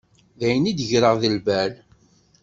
D ayen i d-greɣ deg lbal.